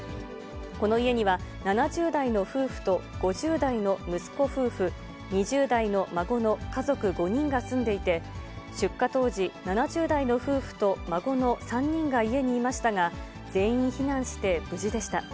この家には、７０代の夫婦と５０代の息子夫婦、２０代の孫の家族５人が住んでいて、出火当時、７０代の夫婦と孫の３人が家にいましたが、全員避難して無事でした。